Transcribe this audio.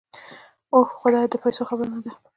اوح خدايه د پيسو خبره نده.